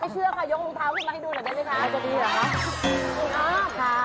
เชื่อค่ะยองรูปเท้าคุณมาให้ดูหน่อยได้ไหมคะ